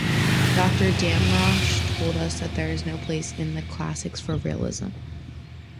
Doctor Damrosch told us that there is no place in the classics for realism.